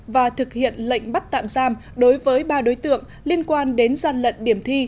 và thực hiện lệnh bắt tạm giam đối với ba đối tượng liên quan đến gian lận điểm thi